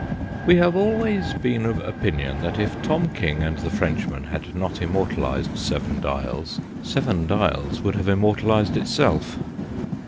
WE have always been of opinion that if Tom King and the French man had not immortalised Seven Dials, Seven Dials would have im mortalised itself.